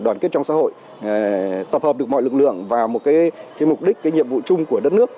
đóng góp sức mạnh của họ vào sức mạnh chung của đất nước